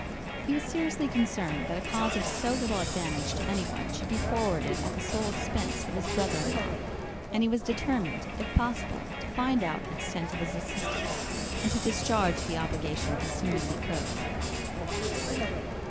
He was seriously concerned that a cause of so little advantage to anyone should be forwarded at the sole expense of his brother in law; and he was determined, if possible, to find out the extent of his assistance, and to discharge the obligation as soon as he could.